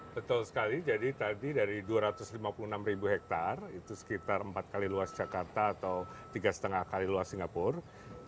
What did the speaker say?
betul sekali jadi tadi dari dua ratus lima puluh enam ribu hektare itu sekitar empat kali luas jakarta atau tiga lima kali luas singapura